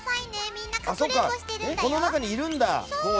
みんなかくれんぼしてるんだよ。